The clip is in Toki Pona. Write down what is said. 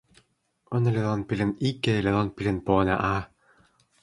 ona li lon pilin ike li lon pilin pona a.